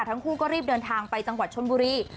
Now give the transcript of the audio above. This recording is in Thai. ทั้งคู่ก็รีบเดินทางไปจังหวัดชนบุรี